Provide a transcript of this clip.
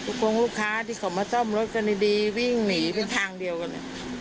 คงลูกค้าที่เขามาซ่อมรถกันดีวิ่งหนีเป็นทางเดียวกัน